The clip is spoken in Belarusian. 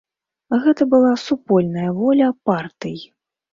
Гэта была супольная воля партый.